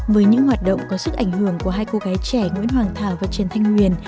với những hoạt động có sức ảnh hưởng của hai cô gái trẻ nguyễn hoàng thảo và trần thanh huyền